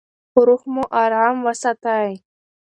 روح مو ارام وساتئ.